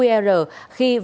khi vào dịch bệnh